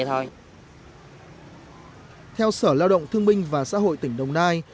theo sở lao động thương minh và xã hội tỉnh đồng nai